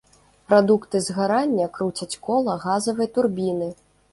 Прадукты згарання круцяць кола газавай турбіны.